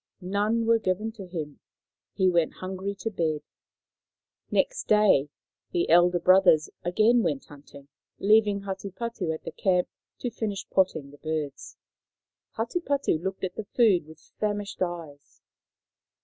None were given to him ; he went hungry to bed. Next day the elder brothers again went hunting, leaving Hatupatu at the camp to finish potting the birds. Hatupatu looked at the food with famished eyes.